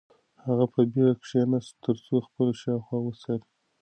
هغه په بېړه کښېناست ترڅو خپل شاوخوا وڅاري.